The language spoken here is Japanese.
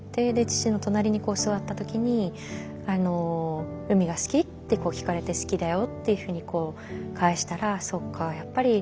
父の隣に座った時に「海が好き？」って聞かれて「好きだよ」っていうふうに返したらそっかやっぱり。